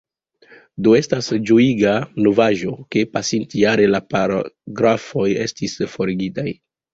Do estas ĝojiga novaĵo, ke pasintjare la paragrafoj estis forigitaj.